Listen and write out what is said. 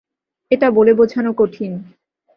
এটা বলে বোঝানো কঠিন।